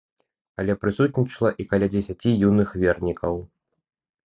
Але прысутнічала і каля дзесяці юных вернікаў.